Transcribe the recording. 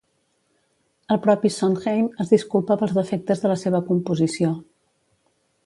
El propi Sondheim es disculpa pels defectes de la seva composició.